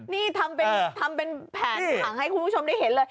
นี่ทำเป็นแผนผังให้คุณผู้ชมได้เห็นเลย